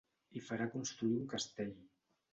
Hi farà construir un castell.